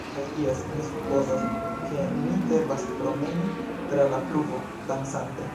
Kaj, jes mi supozas, ke mi devas promeni tra la pluvo, dancante.